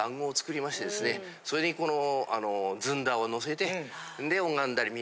それにこの。